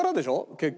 結局。